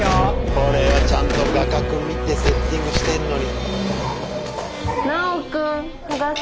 これはちゃんと画角見てセッティングしてんのに。